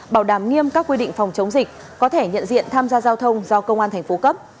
bảo đảm nghiêm các quy định phòng chống dịch có thể nhận diện tham gia giao thông do công an thành phố cấp